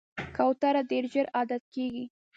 کوتره ډېر ژر عادت کېږي.